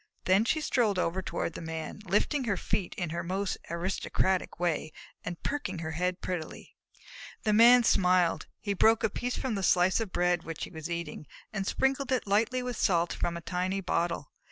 Then she strolled over toward the Man, lifting her feet in her most aristocratic way and perking her head prettily. The Man smiled. He broke a piece from the slice of bread which he was eating, and sprinkled it lightly with salt from a tiny bottle.